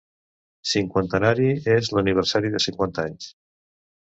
Cinquantenari és l'aniversari de cinquanta anys.